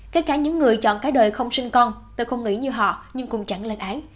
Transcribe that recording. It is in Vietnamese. kể cả những người chọn cái đời không sinh con tôi không nghĩ như họ nhưng cùng chẳng lên án